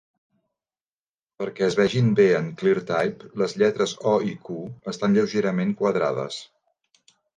Perquè es vegin bé en ClearType, les lletres "O" i "Q" estan lleugerament quadrades.